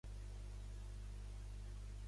Fas ton cas si et cases de ton braç.